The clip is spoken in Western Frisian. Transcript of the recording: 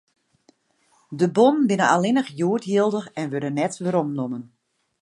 De bonnen binne allinnich hjoed jildich en wurde net weromnommen.